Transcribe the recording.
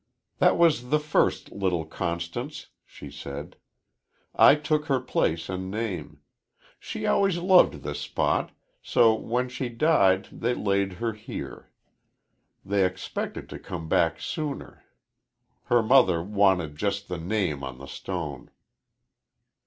"That was the first little Constance," she said. "I took her place and name. She always loved this spot, so when she died they laid her here. They expected to come back sooner. Her mother wanted just the name on the stone."